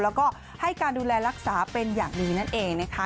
แล้วก็ให้การดูแลรักษาเป็นอย่างดีนั่นเองนะคะ